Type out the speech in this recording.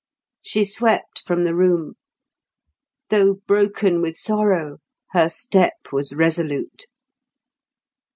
She swept from the room. Though broken with sorrow, her step was resolute.